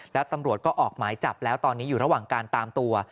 และตำรวจก็ออกหมายจับแล้วตอนนี้อยู่ระหว่างการตามตัว